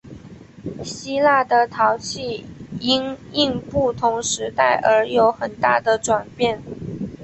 希腊的陶器因应不同时代而有很大的转变。